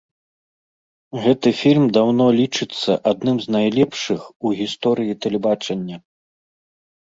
Гэты фільм даўно лічыцца адным з найлепшых у гісторыі тэлебачання.